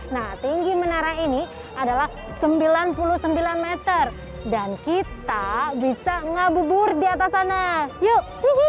nah tinggi menara ini adalah sembilan puluh sembilan meter dan kita bisa ngabubur di atas sana yuk